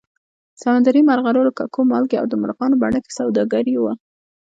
سمندري مرغلرو، ککو، مالګې او د مرغانو بڼکو سوداګري وه